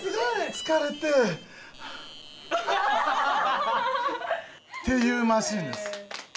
疲れて。っていうマシンです。